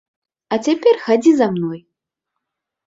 А цяпер хадзі за мной.